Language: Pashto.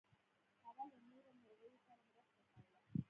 هغه له نورو مرغیو سره مرسته کوله.